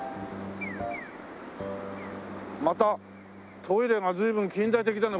またトイレが随分近代的だね。